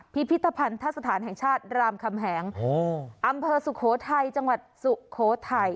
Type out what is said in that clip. พิพิธภัณฑสถานแห่งชาติรามคำแหงอำเภอสุโขทัยจังหวัดสุโขทัย